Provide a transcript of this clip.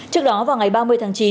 trước đó vào ngày ba mươi tháng chín